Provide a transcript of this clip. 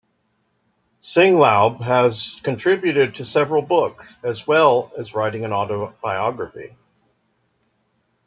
Singlaub has contributed to several books, as well as writing an autobiography.